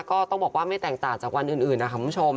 ก็ต้องบอกว่าไม่แตกต่างจากวันอื่นนะคะคุณผู้ชม